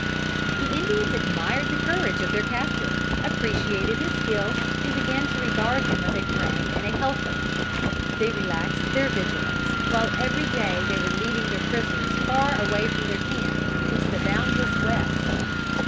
The Indians admired the courage of their captive, appreciated his skill, and began to regard him as a friend and a helper. They relaxed their vigilance, while every day they were leading their prisoners far away from their camp into the boundless West.